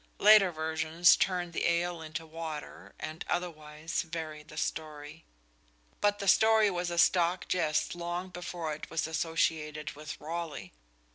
Later versions turn the ale into water and otherwise vary the story. But the story was a stock jest long before it was associated with Raleigh.